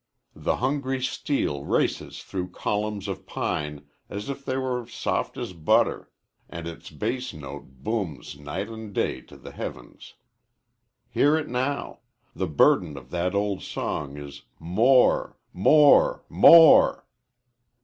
The hungry steel races through columns of pine as if they were soft as butter and its' bass note booms night and day to the heavens. Hear it now. The burden of that old song is m o r e, m o r e, m o r e!